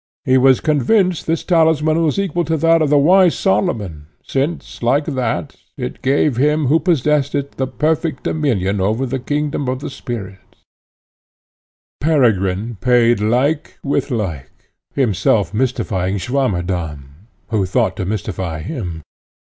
He was convinced this talisman was equal to that of the wise Solomon, since, like that, it gave him who possessed it the perfect dominion over the kingdom of spirits. Peregrine paid like with like, himself mystifying Swammerdamm, who thought to mystify him.